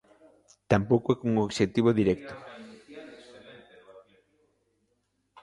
Tampouco é cun obxectivo directo.